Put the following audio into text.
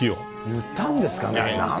塗ったんですかね。